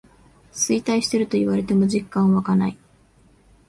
衰退してると言われても実感わかない